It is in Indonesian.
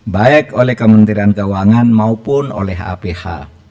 baik oleh kementerian keuangan maupun oleh aph